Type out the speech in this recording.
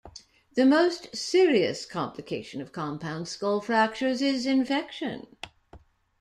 The most serious complication of compound skull fractures is infection.